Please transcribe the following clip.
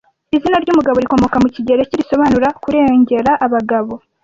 Izina ry'umugabo rikomoka mu kigereki risobanura kurengera abagabo